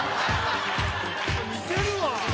似てるわ。